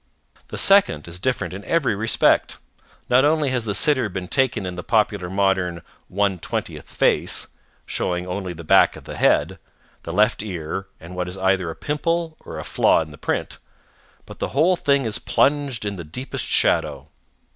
The second is different in every respect. Not only has the sitter been taken in the popular modern "one twentieth face," showing only the back of the head, the left ear and what is either a pimple or a flaw in the print, but the whole thing is plunged in the deepest shadow.